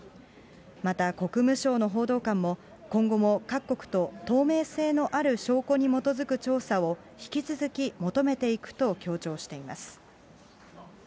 また国務省の報道官も、今後も各国と透明性のある証拠に基づく調査を引き続き求めていくと強調しています。